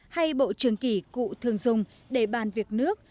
hay bộ trường kỷ cụ thường dùng để bàn việc nước